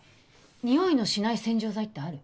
ニオイのしない洗浄剤ってある？